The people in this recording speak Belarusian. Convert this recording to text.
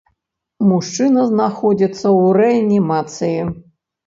Мужчына знаходзіцца ў рэанімацыі.